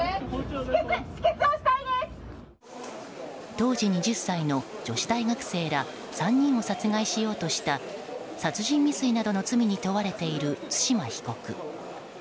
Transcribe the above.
当時２０歳の女子大学生ら３人を殺害しようとした殺人未遂などの罪に問われている対馬被告。